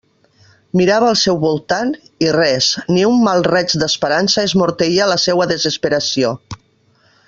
Mirava al seu voltant, i res, ni un mal raig d'esperança esmorteïa la seua desesperació.